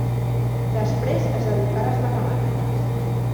Després es dedicà a les matemàtiques.